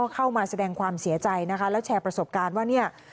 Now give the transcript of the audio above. เข้ามาแสดงความเสียใจนะคะแล้วแชร์ประสบการณ์ว่าเนี่ย